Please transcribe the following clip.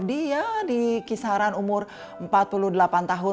dia di kisaran umur empat puluh delapan tahun